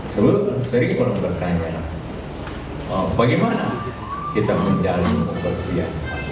sering orang bertanya bagaimana kita menjalin kepercayaan